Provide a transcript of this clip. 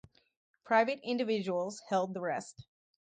Private individuals held the rest.